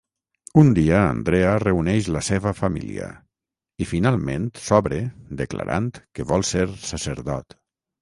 Un dia Andrea reuneix la seva família i finalment s'obre declarant que vol ser sacerdot.